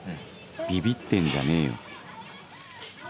ビビってんじゃねえよ